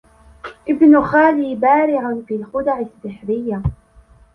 ابن خالي بارع في الخدع السحرية.